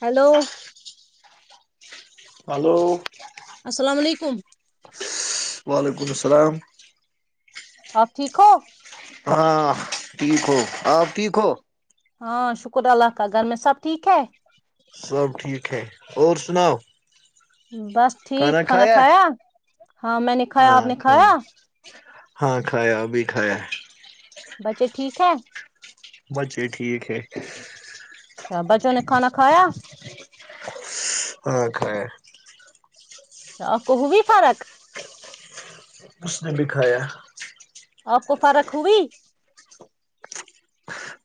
hello hello السلام علیکم وعلیکم السلام آپ ٹھیک ہو ہاں ٹھیک ہو آپ ٹھیک ہو ہاں شکر اللہ کا گھر میں سب ٹھیک ہے سب ٹھیک ہے اور سناؤ بس ٹھیک کھانا کھایا ہاں میں نے کھایا آپ نے کھایا ہاں کھایا ابھی کھایا بچے ٹھیک ہے بچے ٹھیک ہے اچھا بچوں نے کھانا کھایا ہاں کھایا آپ کو ہوئی فرق اس نے بھی کھایا آپ کو فرق ہوئی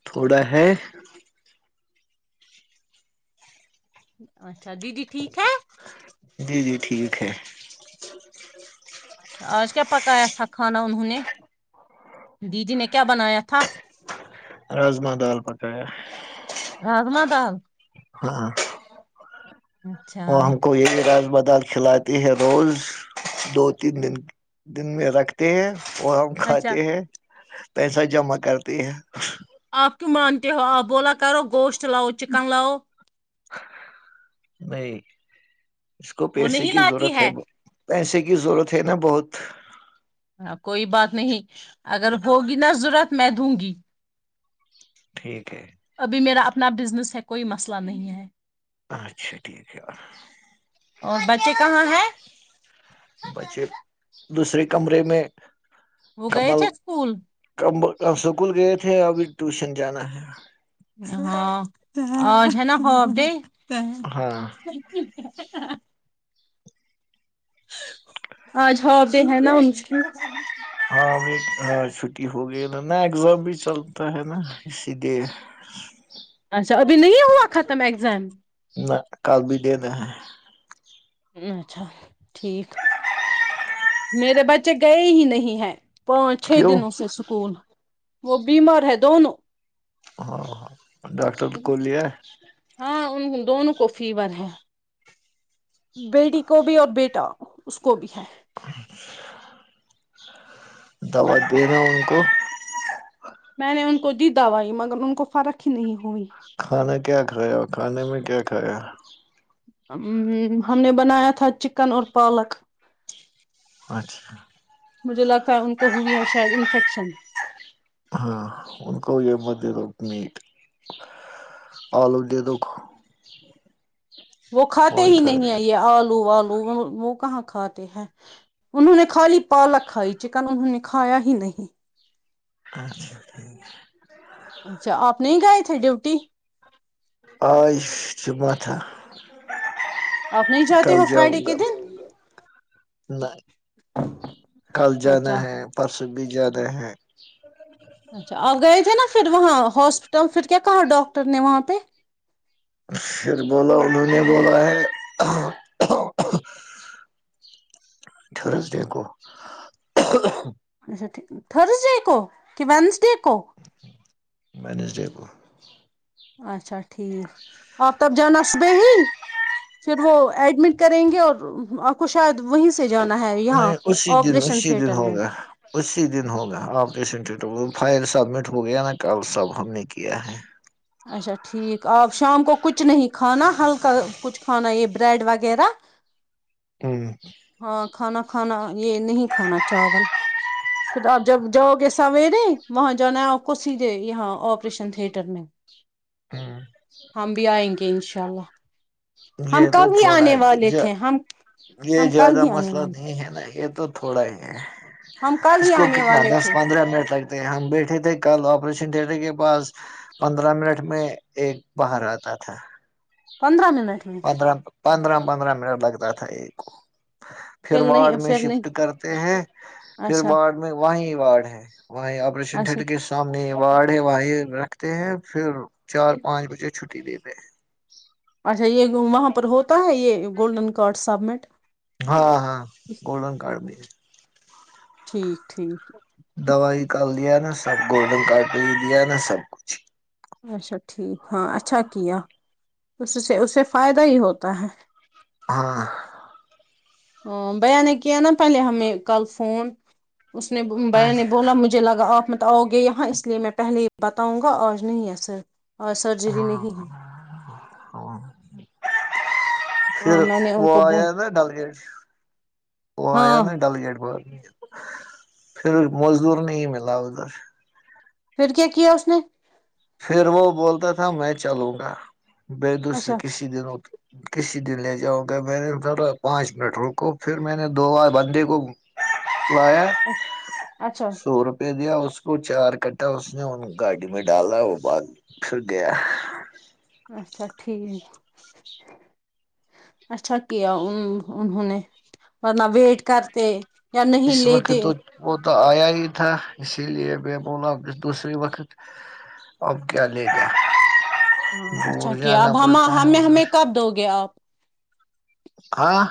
تھوڑا ہے اچھا دیدی ٹھیک ہے جی جی ٹھیک ہے اچھا آج کیا پکایا تھا کھانا انہوں نے دیدی نے کیا بنایا تھا راجما دال پکایا راجما دال ہاں اچھا وہ ہم کو یہ رہ بادال کھلاتے ہیں روز دو تین دن دن میں رکھتے ہیں اور ہم اچھا کھاتے ہیں پیسہ جمع کرتی ہے آپ کیوں مانتے ہو آپ بولا کرو گوشت لاؤ چکن لاؤ نہیں اس کو وہ پیسے نہیں کی لاتی ضرورت ہے پیسے کی ضرورت ہے نا بہت ہ کوئی بات نہیں اگر ہوگی ن ضرورت میں دوں گی ٹھیک ہے ابھی میرا اپنا بزنس ہے کوئی مسئلہ نہیں ہے اچھا ٹھیک ہےیار اور بچے کہاں ہیں بچے دوسرے کمرے میں وہ گئے تھے اسکول اب سکول گئے تھے ابھی ٹیوشن جانا ہے ہاں اورج ہے نا ہوپ ڈے ہاں آج ہواب ہے نا ان کی ہاں ہ ہ چھٹی ہو گئی نا نہ اگزام بھی چلتا ہے نا اسی لیے اچھا ابھی نہیں ہوا ختم ایگزام نہ ک بھی دےین ہے اچھا ٹھیک میرے بچے گئے ہی نہیں ہیں پانچ چھ کیوں دنوں اس اسے سکول وہ بیمار ہے دونوں ہاں ہاں ڈاکٹر کو لیا ہاں ان دونوں کو فیور ہے بیٹی کو بھی اور بیٹا اس کو بھی ہے [inaudible] دوا دینا ان کو میں نے ان کو دی دوائی مگر ان کو فرق ہی نہیں ہوئی کھانا کیا کھایا کھانے میں کیا کھایا ہم نے بنایا تھا چکن اور پالک اچھا مجھے لگتا ہے ان کو ہوئی ہے شاید انفیکشن ہاں ان کو یہ مت دے د میٹ آلو دے دکھ وہ کھاتے ہی نہیں آئیے آلو آلو وہ کہاں کھاتے ہیں انہوں نے خالی پالک ہائی چکن ان کھایا ہی نہیں اچھا ٹھ اچھا آپ نہیں گائے تھے ڈیوٹی عائش سے ماتا آپ نہیں [unintelligible] جاتے کل ہو جاؤں فرائیڈے کے گا دن نہیں کل جانا اچھا ہے پرسوں س بھی زیادہ ہیں [unintelligible] اچھا آپ گئے تھے نا پھر وہاں ہاسپٹ تو پھر کیا کہاں ڈاکٹر نے وہاں پہ پھر بولا انہوں نے بولا ہےرس دے کو اچھا تھرسڈے کو کہ ونسڈے [unintelligible] م ڈ [unintelligible] [inaudible] اچھاچ [unintelligible] ٹھیک آپ تب جانسب ہی پھر وہ ایڈمٹ کریں گے اور آپ کو شاید وہیں سے جانا ہے یہاں نہیں اسی دن آپریشن اسی دن تھیٹر میں ہوگا اسی دن ہوگا آپ فائل سبمٹ ہو گیا نا کال سب ہم نے کیا ہے اچا ٹھیک آپ شام کو کچ نہیں کھانا ہلکا کچھ کھانا یہ [unintelligible] بریڈ وغیرہ ہاں ہاں کھانا کھانا یہ نہیں کھانا چاول پھر آپ جب جاؤ گے سویرے وہاں جانا آ کو س دے یہاں آپریشن تھیٹر میں ہاں ہم بھی آئیں گے انشاء اللہ یہ ہم تو کل ہی تھوڑا آنے والے تھے ہم یہ ہم کل زیادہ ہی آنے مسئلہ والے نہیں ہے نا یہ تو تھوڑا ہی ہے ہم کل اس ہی کو آنے کتنا والے دس تھے پندرہ منٹ لگتا ہم بیٹھے تھے کل آپریشن تھیٹر کے پاس پندرہ منٹ میں ایک باہر آتا تھا پندرہ منٹ میں ادرد پندرہ پندرہ منٹ لگتا تھا ایک پھر وارڈ نہیں میں پھر نہیں شفٹ کرتے ہیں پھر اچھا وارڈ میں وہیں وارڈ ہے وہیں آپریشن تٹر اچھا کے سامنے وارڈ ہے وہیں رکھتے ہیں پھر چار پانچ بجے چھٹی دے [unintelligible] اچھا یہ وہاں پر ہوتا ہے یہ گولڈن کارڈ سبمٹ ہاں ہاں گولڈن کارڈ بھی ہے ٹھیک ٹھیک دوائیکال دیا نا سب گولڈن کارڈ بھیہ دیا نا سب کچھ اچھا ٹھیک ہاں اچھا کیا اس سے اس سے فائدہ ہی ہوتا ہے ہاں ہ بیا ن نے کی نا پال میں کل فون اس نے بیا ہاں نے بولا مجھے لگا آپ م آؤ گے یہاں اس لیے میں پہلے ہی بتاؤں گا آج نہیں ہے سر اور سرجری نہیں ہے اور ہاں پھر میں نے ان وہ کو بول آیا نا ڈل گیٹ وہ آیا ہاں نا ڈل گیٹ ب پھر مزدور نہیں ملا ادھر پھر کیا کیا اس نے پھر وہ بولتا تھا میں چلوں گا بےیدسر اچھا کسی دن ہو تو کسی دن لے جاؤں گا میں نے تھڑا پانچ منٹ رکو پھر میں نے دوار بندے کو تو آیا اچھا سو روپئے دیا اس اس کو چار کٹا اس نے ان گاڑی میں ڈالا وہ بعد پھر گیا اچھا ٹھیک اچھا کیا ان انہوں نے ورنہ ویٹ کرتے یا نہیں اس وقت لیتے تو وہ تو آیا ہی تھا اسی لیے میں بولا دوسرے وقت اب کیا لے گ ہاں اچھا کہ اب ہم ہم ادھر ہمیں کب دو گے آپ ہاں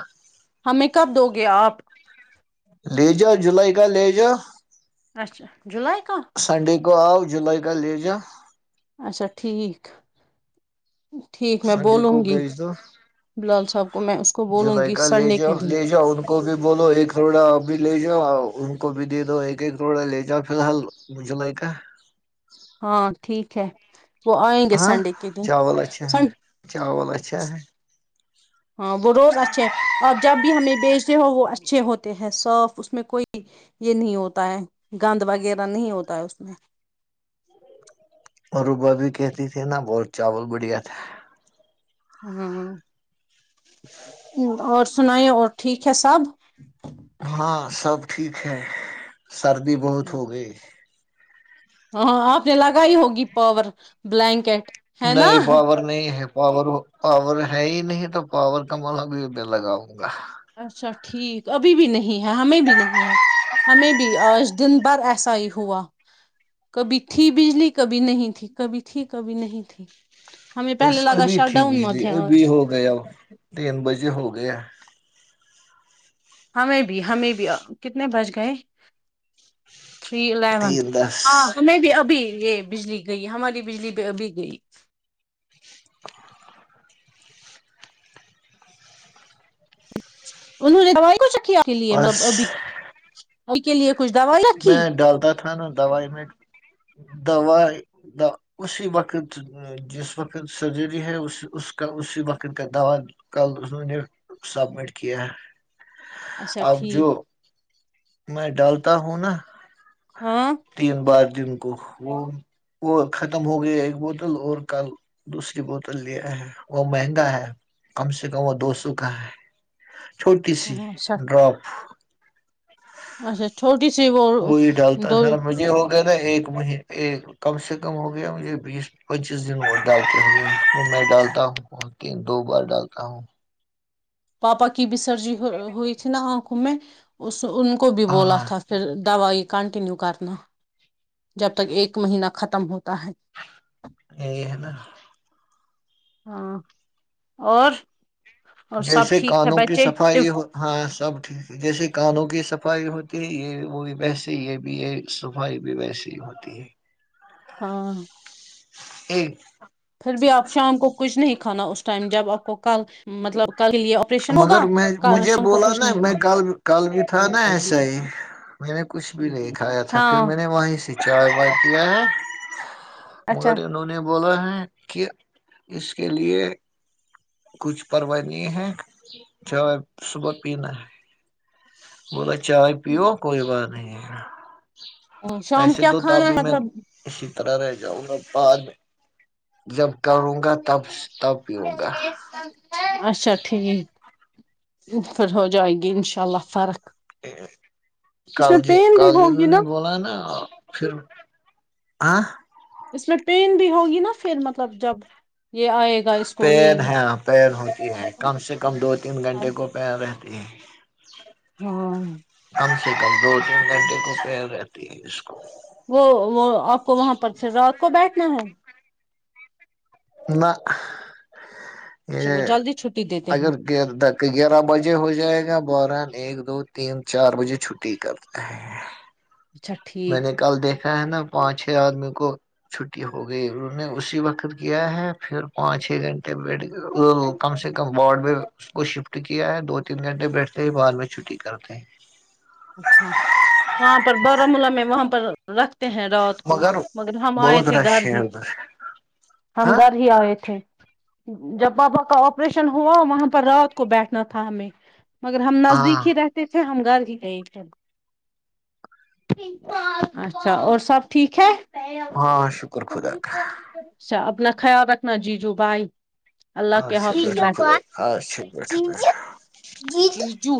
ہمیں کب دو گے آپ لی جا جولائی گ لے جوو اچھا جولائی کا گ آؤ جلئی کا لیجا اچھا ٹھیک ٹھیک میں سنڈے بولوں کو گی بھیج دو بلال صاحب کو میں اس کو بولوں جولائی گی کا لے سنڈے کے جاؤ دن لے جاؤ ان کو بھی بولو ایک کروڑا ا بھی لے جاؤ کو بھی دے دو ایک ایک تھوڑا لے جاؤ فی الحال مجھ ل کا ہاں ٹھیک ہے وہ آئیں گے ہاں سنڈے کے دن چاول اچھا ہے سن چاول اچھا ہے ہاں وہ روز اچھے آپ جب بھی ہمیں بھیچ سے ہو وہ اچھے ہوتے ہیں صاف اس میں کوئی یہ نہیں ہوتا ہے گند وغیرہ نہیں ہوتا ہے اس میں اروبع بھی کہتی تھی نا بت چاول بڑھیا تھا ا [unintelligible] ہ اور [inaudible] سناائییں اور ٹھیک ہے سب تھا ہاں سب ٹھیک ہے سردی بہت ہو گئی ہاں آپ نے لگائی ہوگی پاور بلینکٹ ہے نا نہیں پاور نہیں ہے پاور پاور ہے ہی نہیں تو پاور کا مان بھی میں لگاؤں گا اچھا ٹھیک ابھی بھی نہیں ہے ہمیں بھی نہیں ہے ہمیں بھی آج دن بھر ایسا ہی ہوا کبھی تھی بجلی کبھی نہیں تھی کبھی تھی کبھی نہیں تھی ہمیں بس پہلے لگا ابھی شٹ تھی ڈاؤن بجلی مت ہے ابھی آج ہو گیا تین بجے ہو گئے ہو گیا ہمیں بھی ہمیں بھی کتنے بج گئے تھری الیونتھ تین دس ہاں ہمیں بھی ابھی یہ بجلی گئی ہماری بجلی ابھی گئی ان کچھ آ کے لیے بس مطلب ابھی ا کے لیے کچھ دوائی رکھی میں ڈالتا تھا نا دوائی میں دوا اسی وقت جس وقت سرجری ہے اس کا اسی وقت کا دوا کل انہوں نے سبمٹ کیا ہے اچھا اب جو ٹھیک میں ڈالتا تا ہ نا ہاں تین بار دن کو وہ وہ ختم ہو گیا ایک بوتل اور کل دوسری بوتل لیا ہے وہ مہنگا ہے کم سے کم وہ دو سو کا ہے چھوٹی سی اچھا ڈراپ اچھا چھوٹا وہی ڈالتا ہے سرا مجھے ہو ا ایک مہینے ایک کم سے کم ہو گیا مجھے بیس پچیس دن بہت ڈالتے ہوئے میں ڈالتا ہوں ب دو بار ڈالتا ہوں پاپا کی بھی سرجری ہوئی تھی نا انکھوں میں تو ان کو بھی بولا ہاں تھا پھر دوائی کنٹینیو کرنا جب تک ایک مہینہ ختم ہوتا ہے یہ ہے نا ہاں اور اور سب جیسے ٹھیک ہے کانوں کی بچے صفائی ہو ہاں سب ٹھیک جیسے کانوں کی صفائی ہوتی یہ وہ بھی ویسے ہی یہ بھی یہ صفائی بھی ویسے ہی ہوتی ہے ہاں ایک پھر بھی آپ شام کو کچھ نہیں کھانا اس ٹائم جب آپ کو کل مطلب کل کے لیے آپریشن مگر ہوگا میں مجھے شام کو بولا کچھ نا نہیں میں کھانا کل کل بھی تھا نا ایسا ہی میں نے کچھ بھی نہیں کھایا تھا پھر ہاں میں نے وہیں سے چائے وائی پی ہے مگر اچھا انہوں نے بولا ہے کہ اس کے لیے کچھ پرواہ نہیں ہیں چاے صبح پینا ہے م ل [inaudible] چائے پیو کوئی بات نہیں ہے جا [unintelligible] شام کیا کھانا ہے مطلب طر رہے جاؤ پ جب کروں گا تب تب پیوں گا اچھا ٹھیک پھر ہو جائے گی انشاء اللہ فرق اس کل میں پین بھی کل ہوگی انہوں نا نے بولا نا پھر آ [unintelligible] اس میں پین بھی ہوگی نا پھر مطلب جب یہ آئے گا اس کو پین یہ ہے پین ہوتی ہے کم سے کم دو تین گھنٹے کو پین رہتی ہے ہاں کم دو تین گھنٹے کو پین رہتی ہے اس کو وہ وہ آپ کو وہاں پر اپ کو پھر رات کو بیٹھنا ہے نہ اچھا یہ وہ جلدی چھٹی دیتے ہیں اگر گیارہ بجے ہو جائے گا بارہ ایک دو تین چار بجے چھٹی کرتے ہیں اچھا میں نے ٹھیک کل دیک نا پانچ چھ آدمی کو چھٹی ہو گئی انہوں نے اسی وقت کیا ہے پھر پانچ چھے گھنٹ ٹی کم سے کم باڈ میں [inaudible] اس کو شفٹ کیا ہے دو تین گھنٹے بیٹھتے ہیں بعد میں چھٹی کرتے ہیں اچھا وہاں پر بارامولہ میں وہاں پر [inaudible] رکھتے ہیں رات کو مگر ہم آئے بہت تھے گھر رش ہے ہی ادھر ہم ہاں گھر ہی آئے تھے جب بابا کا آپریشن ہوا وہاں پر رات کو بیٹھنا تھا ہمیں مگر ہم ہاں نزدیک ہی رہتے تھے ہم گھر ہی گئے تھے اچھا اور سب ٹھیک ہے ہاں شکر خدا کا اچھا [unintelligible] اپنا خیال رکھنا جیجو بھائی اللہ کے اچھا حافظ بیٹھو خدا اچھا بیٹھو بیٹھو ج